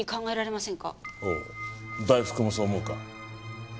ほう大福もそう思うか？